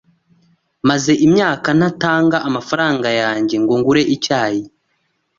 Maze imyaka ntatanga amafaranga yanjye ngo ngure icyayi